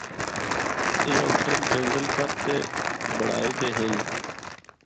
A hotel جنگل کپ تے بنڑائے دے ہن۔